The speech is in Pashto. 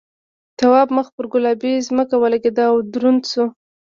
تواب مخ پر گلابي ځمکه ولگېد او دروند شو.